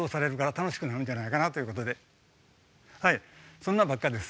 そんなんばっかです。